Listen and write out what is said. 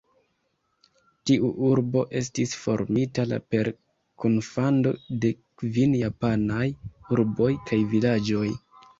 Tiu urbo estis formita la per kunfando de kvin japanaj urboj kaj vilaĝoj.